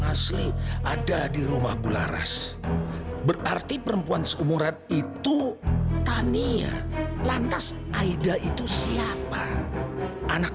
asli ada di rumah bularas berarti perempuan seumurat itu tania lantas aida itu siapa anak